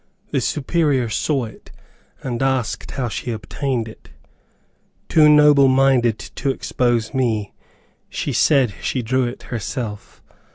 The Superior saw it, and asked how she obtained it. Too noble minded to expose me, she said she drew it herself.